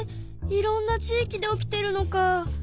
いろんな地域で起きてるのか。